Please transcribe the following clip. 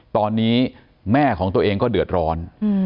ตอนนี้แม่ของตัวเองก็เดือดร้อน